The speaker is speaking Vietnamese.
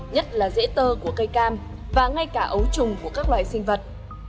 nhất là dễ tơ của cây cam và ngay cả ấu trùng của các loài sinh vật